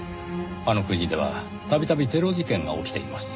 あの国では度々テロ事件が起きています。